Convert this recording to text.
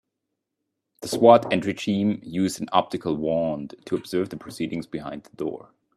The S.W.A.T. entry team used an optical wand to observe the proceedings behind the door.